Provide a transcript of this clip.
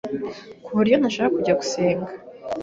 ku buryo ntashakaga kujya gusenga,